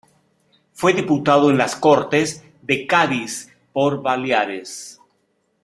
Fue diputado en las Cortes de Cádiz por Baleares.